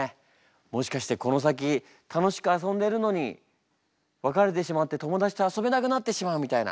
もしかしてこの先楽しく遊んでるのに別れてしまって友達と遊べなくなってしまうみたいな。